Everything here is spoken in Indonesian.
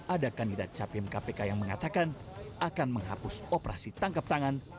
ada kandidat capim kpk yang mengatakan akan menghapus operasi tangkap tangan